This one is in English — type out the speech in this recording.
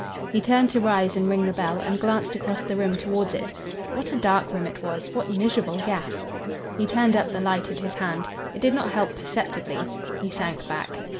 He turned to rise and ring the bell and glanced across the room towards it. What a dark room it was! What miserable gas! He turned up the light at his hand. It did not help perceptibly. He sank back.